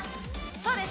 そうです